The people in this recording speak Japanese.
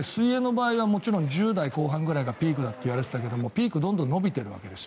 １０代後半くらいがピークだといわれていたけどピークがどんどん伸びているわけです。